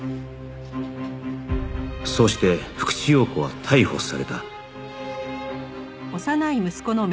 そして福地陽子は逮捕された